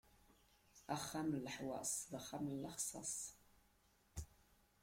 Axxam n leḥwaṣ, d axxam n lexṣas.